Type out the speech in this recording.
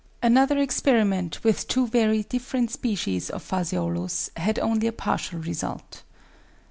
Another experiment with two very different species of Phaseolus had only a partial result.